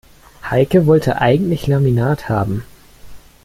Heike wollte eigentlich Laminat haben.